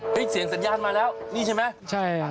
เฮ่ยเสียงสัญญาณมาแล้วนี่ใช่ไหม